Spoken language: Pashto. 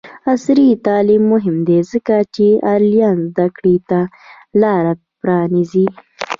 عصري تعلیم مهم دی ځکه چې آنلاین زدکړې ته لاره پرانیزي.